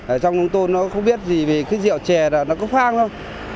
ở trong nông thôn nó không biết gì về cái rượu chè là nó có phang đâu